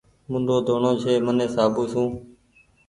موڍو ڌوڻو ڇي مني صآبو سون